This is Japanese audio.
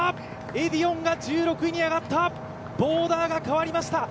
エディオンが１６位に上がった、ボーダーが変わりました。